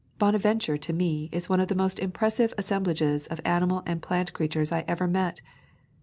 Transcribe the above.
Bonaventure to me is one of the most impres sive assemblages of animal and plant creatures I ever met.